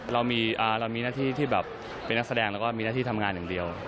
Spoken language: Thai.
เรามีหน้าที่ที่แบบเป็นนักแสดงแล้วก็มีหน้าที่ทำงานอย่างเดียว